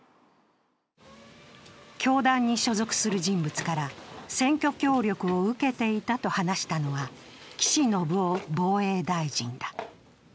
教団に所属する人物から選挙協力を受けていたと話したのは、岸信夫防衛大臣だ。